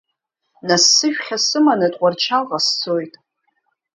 Нас сыжәхьа сыманы Тҟәарчалҟа сцоит!